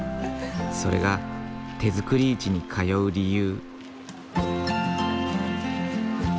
それが手づくり市に通う理由。